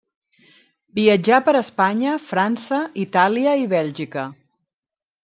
Viatjà per Espanya, França, Itàlia i Bèlgica.